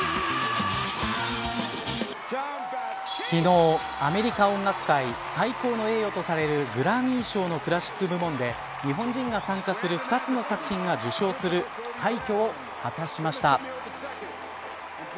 昨日、アメリカ音楽界最高の栄誉とされるグラミー賞のクラシック部門で日本人が参加する２つの作品が受賞する快挙を果たしました。